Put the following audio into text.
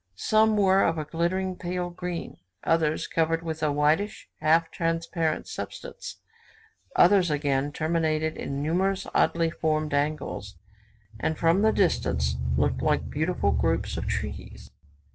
Some were of a glittering pale green; others covered with a whitish, half transparent substance; others again terminated in numerous oddly formed angles, and from the distance looked like beautiful groups of trees.